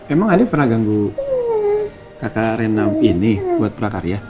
emang adek pernah ganggu kakak rena ini buat prakarya